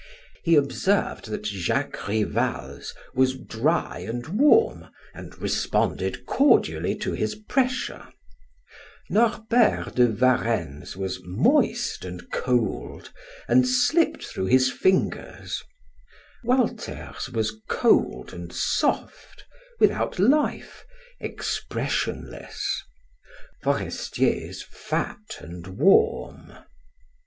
He observed that Jacques Rival's was dry and warm and responded cordially to his pressure; Norbert de Varenne's was moist and cold and slipped through his fingers; Walter's was cold and soft, without life, expressionless; Forestier's fat and warm.